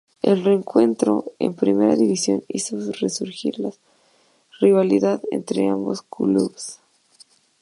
El reencuentro en primera división hizo resurgir la rivalidad entre ambos clubes.